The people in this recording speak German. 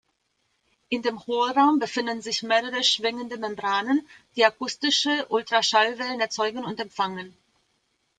In dem Hohlraum befinden sich mehrere schwingende Membranen, die akustische Ultraschallwellen erzeugen und empfangen.